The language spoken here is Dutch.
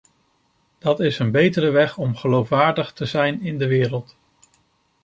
Dat is een betere weg om geloofwaardig te zijn in de wereld.